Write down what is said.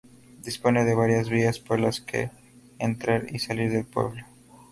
Dispone de varias vías por las que entrar y salir del pueblo.